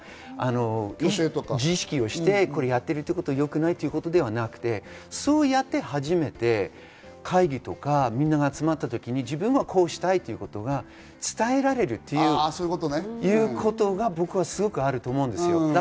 何それ、ハッタリ？とか自意識を押してやっているということはよくないということではなくて、そうやって初めて会議とかみんなが集まった時に自分はこうしたいということが伝えられるということがあると思います。